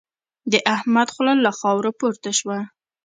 د احمد خوله له خاورو پورته شوه.